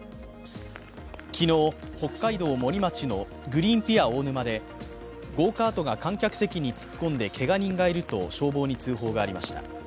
昨日、北海道・森町のグリーンピア大沼でゴーカートが観客席に突っ込んでけが人がいると消防に通報がありました。